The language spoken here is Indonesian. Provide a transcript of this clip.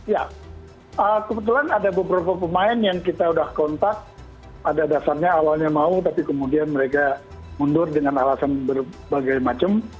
ya kebetulan ada beberapa pemain yang kita sudah kontak pada dasarnya awalnya mau tapi kemudian mereka mundur dengan alasan berbagai macam